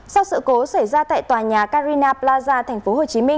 sau sự cố xảy ra tại tòa nhà carina plaza tp hcm